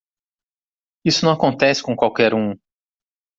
Isso não acontece com qualquer um!